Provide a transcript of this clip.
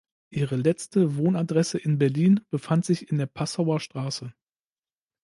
Ihre letzte Wohnadresse in Berlin befand sich in der Passauer Str.